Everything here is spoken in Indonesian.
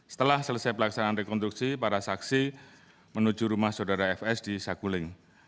setelah selesai pelaksanaan rekonstruksi para saksi menuju rumah saudara fs di saguling